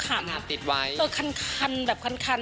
คันแบบคัน